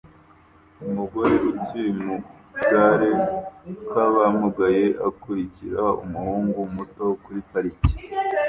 Umugore uri mu kagare k'abamugaye akurikira umuhungu muto kuri parike